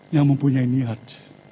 yang mempunyai niat